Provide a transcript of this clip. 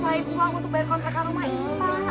saya lagi ngerusak ibu pak untuk bayar kontrakan rumah ini pak